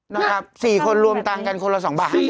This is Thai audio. นะครับ๔คนรวมตังค์กันคนละ๒บาท